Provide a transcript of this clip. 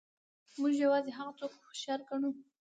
موږ یوازې هغه څوک هوښیار ګڼو.